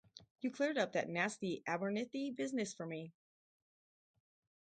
You cleared up that nasty Abernethy business for me.